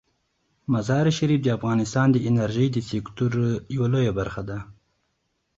مزارشریف د افغانستان د انرژۍ د سکتور یوه لویه برخه ده.